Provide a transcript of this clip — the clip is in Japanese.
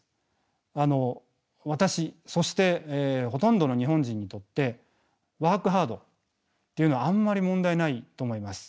私そしてほとんどの日本人にとってワークハードっていうのはあんまり問題ないと思います。